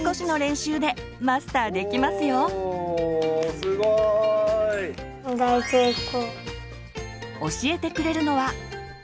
すごい！教えてくれるのは。